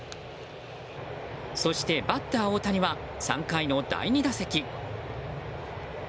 そして、バッター大谷は３回の第２打席。